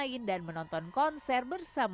apa perangkat fans kerja pada kali ini